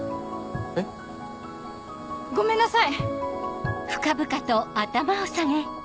えっ？ごめんなさい！